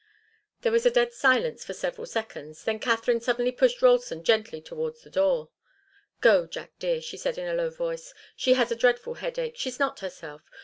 There was a dead silence for several seconds. Then Katharine suddenly pushed Ralston gently toward the door. "Go, Jack dear," she said in a low voice. "She has a dreadful headache she's not herself.